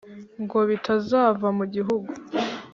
Ngo bitazava mu gihugu,